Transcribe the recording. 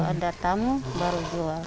ada tamu baru jual